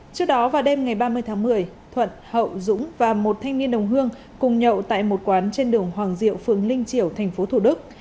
trước đó vào đêm ngày ba mươi tháng một mươi thuận hậu dũng và một thanh niên đồng hương cùng nhậu tại một quán trên đường hoàng diệu phường linh chiểu tp thủ đức